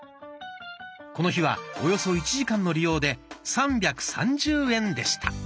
この日はおよそ１時間の利用で３３０円でした。